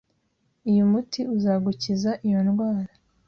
Uyu muti uzagukiza iyo ndwara